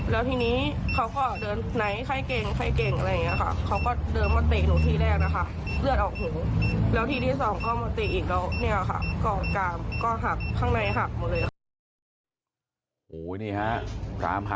แล้วทีนี้เขาก็เดินไหนไข้เก่งไข้เก่งอะไรอย่างนี้ค่ะ